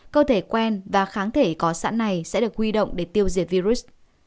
cơ thể quen và kháng thể có sẵn này sẽ được huy động để tiêu diệt virus